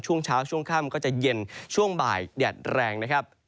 ช่วงเช้าช่วงค่ำก็จะเย็นช่วงบ่ายแดดแรงนะครับ